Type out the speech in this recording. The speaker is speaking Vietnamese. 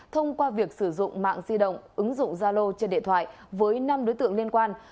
thông qua việc sử dụng mạng di động ứng dụng zalo trên điện thoại với năm đối tượng liên quan